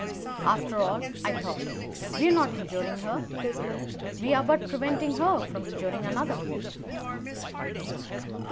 After all, I thought, we are not injuring her. We are but preventing her from injuring another.